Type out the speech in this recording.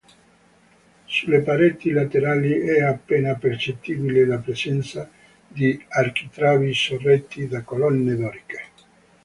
Sulle pareti laterali è appena percettibile la presenza di architravi sorretti da colonne doriche.